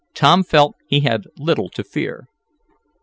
Tom felt he had little to fear.